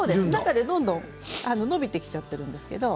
中でどんどん伸びてきちゃってるんですよ。